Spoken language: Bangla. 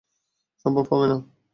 সম্ভব হবে না।